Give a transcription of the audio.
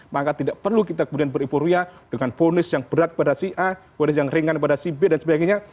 maka tidak perlu kita kemudian beripurria dengan ponis yang berat kepada si a ponis yang ringan kepada si b dan sebagainya